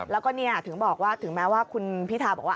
แล้วก็ถึงบอกว่าถึงแม้ว่าคุณพิธาบอกว่า